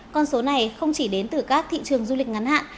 con số này không chỉ đến từ các thị trường du lịch ngắn hạn